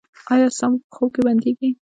ایا ساه مو په خوب کې بندیږي؟